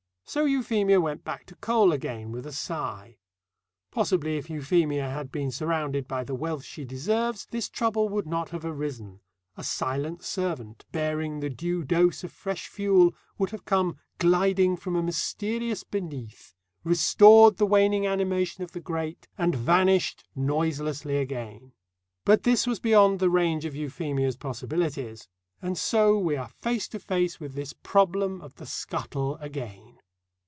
So Euphemia went back to coal again with a sigh. Possibly if Euphemia had been surrounded by the wealth she deserves this trouble would not have arisen. A silent servant, bearing the due dose of fresh fuel, would have come gliding from a mysterious Beneath, restored the waning animation of the grate, and vanished noiselessly again. But this was beyond the range of Euphemia's possibilities. And so we are face to face with this problem of the scuttle again.